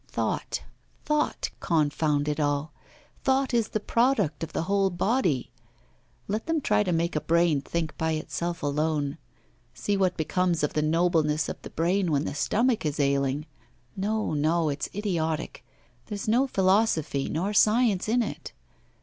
Thought, thought, confound it all! thought is the product of the whole body. Let them try to make a brain think by itself alone; see what becomes of the nobleness of the brain when the stomach is ailing! No, no, it's idiotic; there is no philosophy nor science in it!